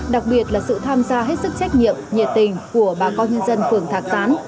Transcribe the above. đặc biệt là sự tham gia hết sức trách nhiệm nhiệt tình của bà con nhân dân phường thạc tán